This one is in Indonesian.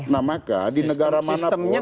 nah maka di negara mana pun